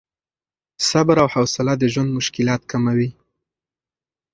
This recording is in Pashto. صبر او حوصله د ژوند مشکلات کموي.